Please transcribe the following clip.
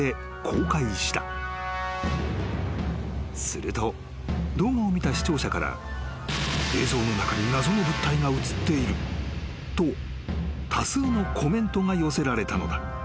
［すると動画を見た視聴者から映像の中に謎の物体が映っていると多数のコメントが寄せられたのだ］